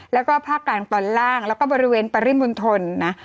แล้วก็ภาคกลางตอนล่างแล้วก็บริเวณปริมณฑลนะ